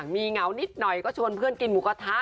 มีเหงานิดหน่อยก็ชวนเพื่อนกินหมูกระทะ